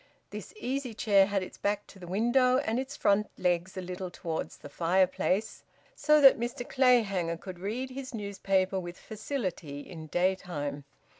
This easy chair had its back to the window and its front legs a little towards the fireplace, so that Mr Clayhanger could read his newspaper with facility in daytime.